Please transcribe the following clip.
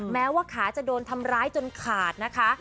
แม้ว่าขาจะโดนทำร้ายจนขาดนะคะ